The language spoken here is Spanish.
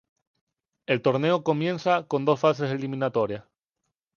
El torneo comienza con dos fases eliminatorias.